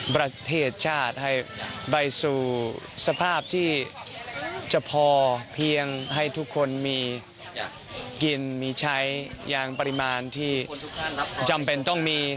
ประเทศชาติให้ไปสู่สภาพที่จะพอเพียงให้ทุกคนมีกินมีใช้ยางปริมาณที่จำเป็นต้องมี